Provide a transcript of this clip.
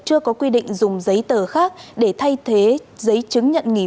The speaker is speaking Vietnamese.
chưa có quy định dùng giấy tờ khác để thay thế giấy chứng nhận nghỉ